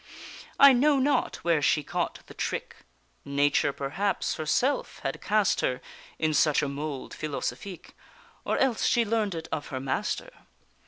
I know not where she caught the trick Nature perhaps herself had cast her In such a mould philosophique, Or else she learn'd it of her master.